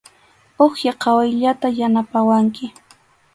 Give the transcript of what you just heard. Uwiha qhawayllata yanapawanki.